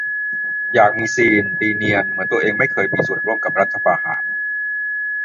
อยากมีซีน ตีเนียน เหมือนตัวเองไม่เคยมีส่วนกับรัฐประหาร